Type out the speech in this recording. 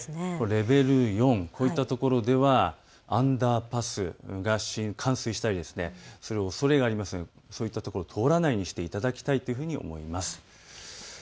レベル４、こういったところではアンダーパス、冠水したり、そういうおそれがありますので、そういったところを通らないようにしていただきたいと思います。